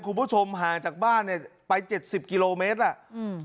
คุณผู้ชมห่างจากบ้านเนี้ยไปเจ็ดสิบกิโลเมตรอ่ะอืม